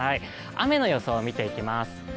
雨の予想を見ていきます。